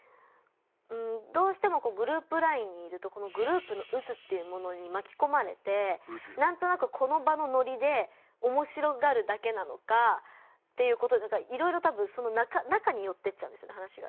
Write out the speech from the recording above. どうしてもグループＬＩＮＥにいるとグループの渦っていうものにまきこまれてなんとなくこの場のノリでおもしろがるだけなのかいろいろ多分その中によってっちゃうんです話が。